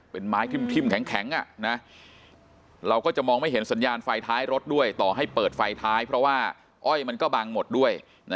เป็นไม้ทิ้มแข็งเราก็จะมองไม่เห็นสัญญาณไฟท้ายรถด้วยต่อให้เปิดไฟท้ายเพราะว่าอ้อยมันก็บังหมดด้วย